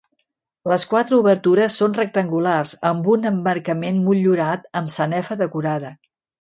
Les quatre obertures són rectangulars, amb un emmarcament motllurat amb sanefa decorada.